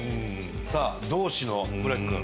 さあ同志の村木君。